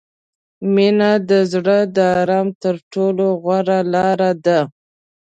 • مینه د زړه د آرام تر ټولو غوره لاره ده.